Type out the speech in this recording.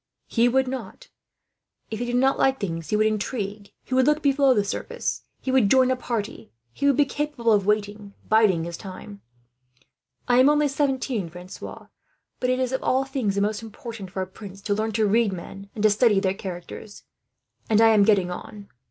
He would not. If he did not like things he would intrigue, he would look below the surface, he would join a party, he would be capable of waiting, biding his time. I am only seventeen, Francois; but it is of all things the most important for a prince to learn to read men, and to study their characters, and I am getting on.